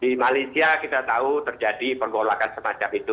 di malaysia kita tahu terjadi pergolakan semacam itu